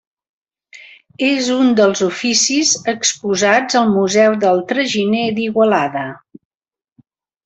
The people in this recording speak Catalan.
És un dels oficis exposats al Museu del Traginer d'Igualada.